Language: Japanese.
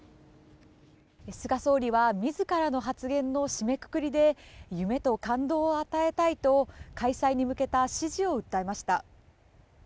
菅総理は自らの発言の締めくくりで夢と感動を与えたいと開催に向けた支持を訴えました。